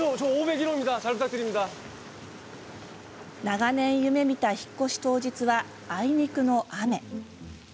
長年夢みた引っ越し当日はあいにくの雨。